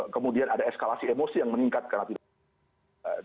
kemudian ada eskalasi emosi yang meningkat karena tidak